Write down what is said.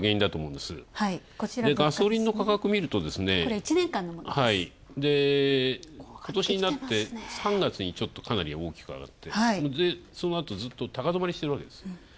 で、ガソリンの価格を見ると３月にかなり大きく上がって、そのあと、ずつと高止まりしてるわけです。